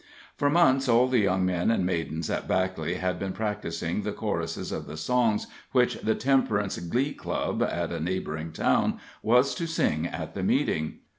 For months all the young men and maidens at Backley had been practising the choruses of the songs which the Temperance Glee Club at a neighboring town was to sing at the meeting.